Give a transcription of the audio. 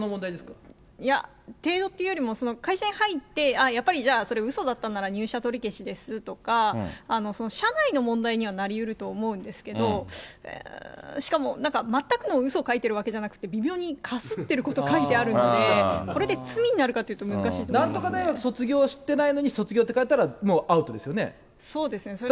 いや、程度というよりも、会社に入って、あっ、やっぱり、それうそだったんなら入社取り消しですとか、社内の問題にはなりうると思うんですけど、しかも、なんか全くのうそを書いてるわけじゃなくて、微妙にかすってること書いてあるので、これで罪になるかというと、難しいところ。なんとか大学卒業してないのに、卒業って書いたら、そうですね、それ。